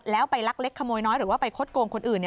แล้วไปลักเล็กขโมยน้อยหรือว่าไปคดโกงคนอื่น